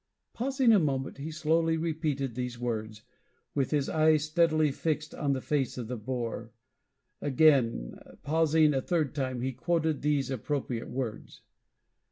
Pausing a moment, he slowly repeated these words, with his eyes steadily fixed on the face of the Boer. Again pausing, a third time he quoted these appropriate words.